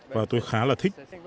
và tôi khá là thích